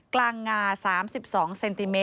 กลางงา๓๒ซม